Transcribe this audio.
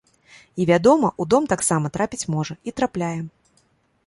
І, вядома, у дом таксама трапіць можа, і трапляе.